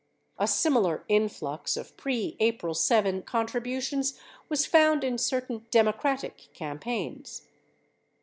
A simi lar influx of pre April 7 contributions was found in certain Democratic campaigns.